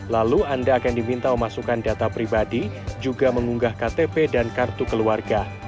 lalu anda akan diminta memasukkan data pribadi juga mengunggah ktp dan kartu keluarga